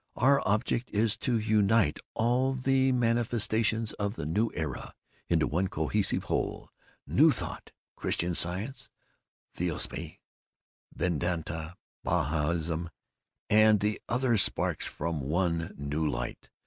Our object is to unite all the manifestations of the New Era into one cohesive whole New Thought, Christian Science, Theosophy, Vedanta, Bahaism, and the other sparks from the one New Light.